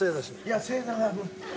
いや正座が。